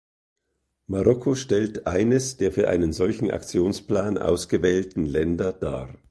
Marokko stellt eines der für einen solchen Aktionsplan ausgewählten Länder dar.